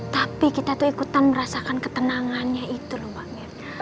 tapi kita itu ikutan merasakan ketenangannya itu loh mbak mir